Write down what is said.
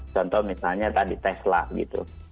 contoh misalnya tadi tesla gitu